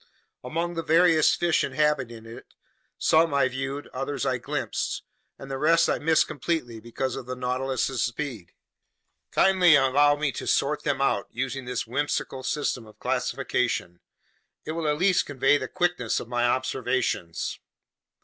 Among the various fish inhabiting it, some I viewed, others I glimpsed, and the rest I missed completely because of the Nautilus's speed. Kindly allow me to sort them out using this whimsical system of classification. It will at least convey the quickness of my observations.